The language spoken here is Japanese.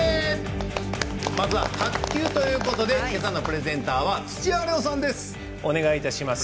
まずは卓球ということでけさのプレゼンターは土屋礼央さんです。